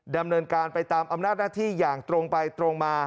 ดำเนินการไปตามอำนาจหน้าที่อย่างตรงไปตรงมา